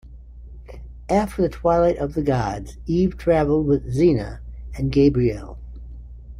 After the Twilight of the Gods, Eve travelled with Xena and Gabrielle.